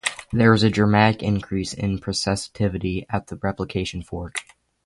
There is a dramatic increase in processivity at the replication fork.